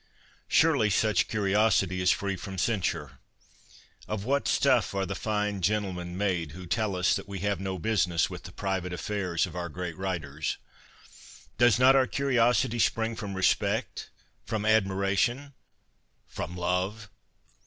Surely such curiosity is free from cen sure. Of what stuff are the fine gentlemen made who tell us that we have no business with the private affairs of our great writers ? Does not our curiosity spring from respect, from admiration — from love?